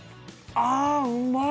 あうまい！